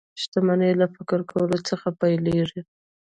شتمني له فکر کولو څخه پيلېږي